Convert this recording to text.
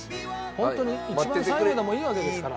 ホントに一番最後でもいいわけですから。